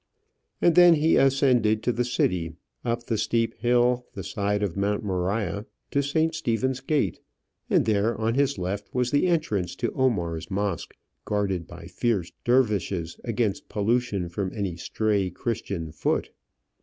And then he ascended to the city, up the steep hill, the side of Mount Moriah, to St. Stephen's Gate; and there, on his left, was the entrance to Omar's mosque, guarded by fierce dervishes against pollution from stray Christian foot.